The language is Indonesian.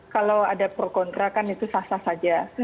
kalau ada pro kontra kan itu sah sah saja